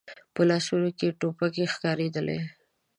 په لاسونو کې يې ټوپکې ښکارېدلې.